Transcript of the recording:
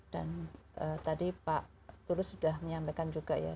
dan tadi pak tulus sudah menyampaikan juga ya